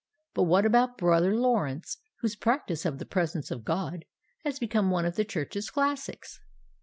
What about Brother Lawrence, whose Practice of the Presence of God has become one of the Church's classics?